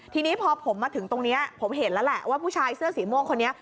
ทีนี้พอผมมาถึงตรงนี้ผมเห็นแล้วแหละว่าผู้ชายเสื้อสีม่วงคนนี้